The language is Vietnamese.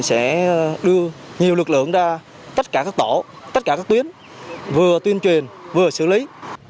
sẽ đưa nhiều lực lượng ra tất cả các tổ tất cả các tuyến vừa tuyên truyền vừa xử lý